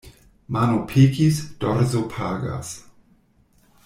Mano pekis, dorso pagas.